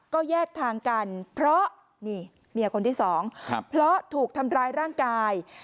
ก็แยกทางกันเพราะนี่เมียคนที่สองเพราะถูกทำร้ายร่างกาย